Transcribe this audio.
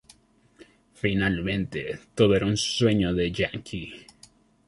Finalmente todo era un sueño de Yankee.